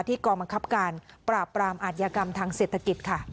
กองบังคับการปราบปรามอาธิกรรมทางเศรษฐกิจค่ะ